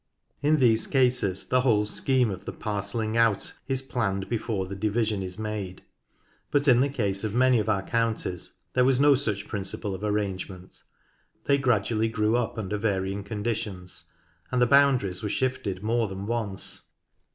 In these cases the whole scheme of the parcelling M. N. I.. I 2 NORTH LANCASHIRE out is planned before the division is made. But in the case of many of our counties there was no such principle of arrangement. They gradually grew up under varying conditions, and the boundaries were shifted more than once.